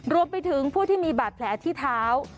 รวมไปถึงผู้ที่มีบาดแผลที่เท้า